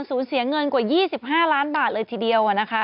สูญเสียเงินกว่า๒๕ล้านบาทเลยทีเดียว